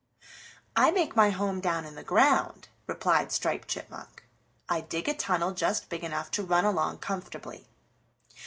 "I make my home down in the ground," replied Striped Chipmunk. "I dig a tunnel just big enough to run along comfortably.